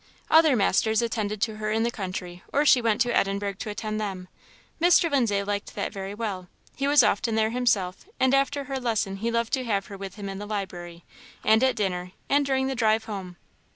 Other masters attended her in the country, or she went to Edinburgh to attend them. Mr. Lindsay liked that very well; he was often there himself, and after her lesson he loved to have her with him in the library, and at dinner, and during the drive home.